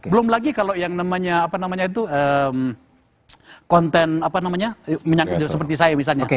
belum lagi kalau yang namanya apa namanya itu konten apa namanya seperti saya misalnya